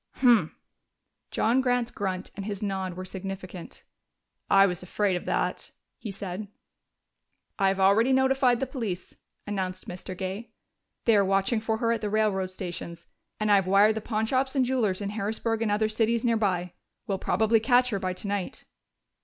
"Humph!" John Grant's grunt and his nod were significant. "I was afraid of that," he said. "I have already notified the police," announced Mr. Gay. "They are watching for her at the railroad stations, and I have wired the pawnshops and jewelers in Harrisburg and other cities nearby. We'll probably catch her by tonight."